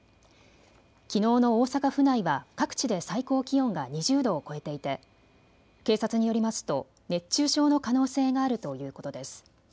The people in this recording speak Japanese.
きのうの大阪府内は各地で最高気温が２０度を超えていて警察によりますと熱中症の可能性があるということです。